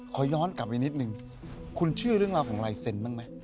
ขอย้อนกลับไปนิดนึงคุณเชื่อเรื่องราวของลายเซ็นต์บ้างไหม